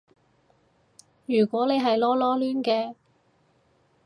如果你係囉囉攣嘅